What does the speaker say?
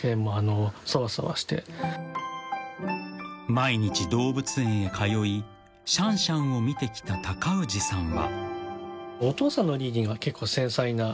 ［毎日動物園へ通いシャンシャンを見てきた高氏さんは］